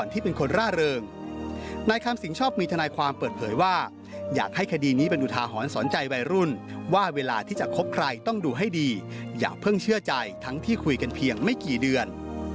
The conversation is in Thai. ที่เป็นคนร่าเริงนายคำสิงชอบมีทนายความเปิดเผยว่าอยากให้คดีนี้เป็นอุทาหรณ์สอนใจวัยรุ่นว่าเวลาที่จะคบใครต้องดูให้ดีอย่าเพิ่งเชื่อใจทั้งที่คุยกันเพียงไม่กี่เดือน